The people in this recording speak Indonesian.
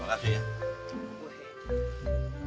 ya makasih ya